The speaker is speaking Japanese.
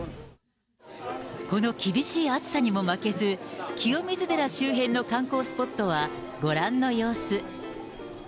この厳しい暑さにも負けず、清水寺周辺の観光スポットは、ご覧の様子。